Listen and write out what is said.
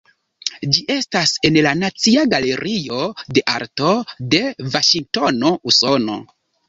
Ĝi estas en la Nacia Galerio de Arto de Vaŝingtono, Usono.